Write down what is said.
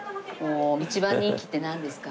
一番人気ってなんですか？